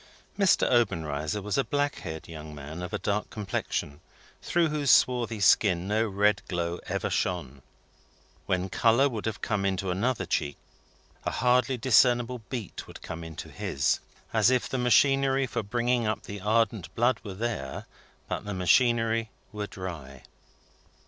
'" Mr. Obenreizer was a black haired young man of a dark complexion, through whose swarthy skin no red glow ever shone. When colour would have come into another cheek, a hardly discernible beat would come into his, as if the machinery for bringing up the ardent blood were there, but the machinery were dry.